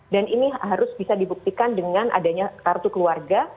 dan ini harus bisa dibuktikan dengan adanya kartu keluarga